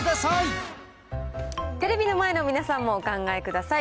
テレビの前の皆さんもお考えください。